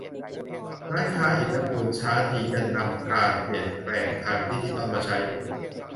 ร้านค้าอิฐและปูนช้าทีจะนำการเปลี่ยนแปลงทางดิจิตอลมาใช้